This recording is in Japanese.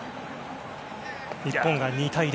日本が２対０。